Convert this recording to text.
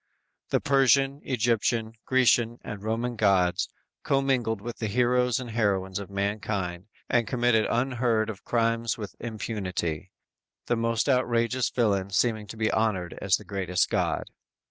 The Persian, Egyptian, Grecian and Roman gods commingled with the heroes and heroines of mankind and committed unheard of crimes with impunity, the most outrageous villain seeming to be honored as the greatest god!